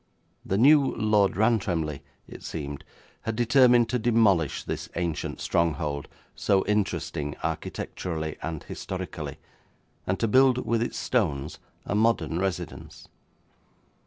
The new Lord Rantremly, it seemed, had determined to demolish this ancient stronghold, so interesting architecturally and historically, and to build with its stones a modern residence.